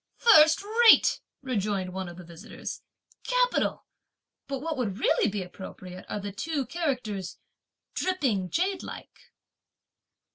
'" "First rate!" rejoined one of the visitors, "capital! but what would really be appropriate are the two characters 'dripping jadelike.'"